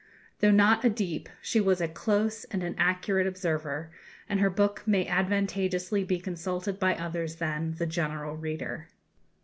Though not a deep, she was a close and an accurate observer; and her book may advantageously be consulted by others than the "general reader."